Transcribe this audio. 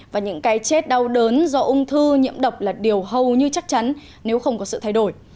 và những cái chết đau đớn do ung thư nhiễm độc là điều hầu như chắc chắn nếu không có sự thay đổi